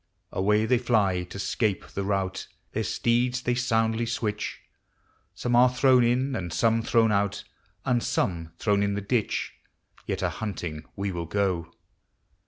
Away they fly to 'scape the rout, Their steeds they soundly switch; Some are thrown in, and some thrown out, And some thrown in the ditch. Yet a hunting we will go.